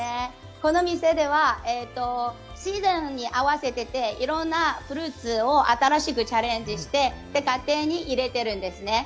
この店では、自然に合わせてて、いろんなフルーツをチャレンジして、家庭に入れてるんですね。